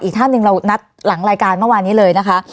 ท่านหนึ่งเรานัดหลังรายการเมื่อวานนี้เลยนะคะ